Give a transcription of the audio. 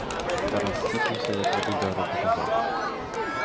Тарас сіпнувся, як від удару батога.